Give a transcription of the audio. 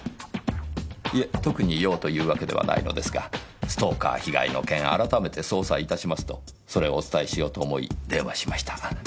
いえ特に用というわけではないのですがストーカー被害の件改めて捜査いたしますとそれをお伝えしようと思い電話しました。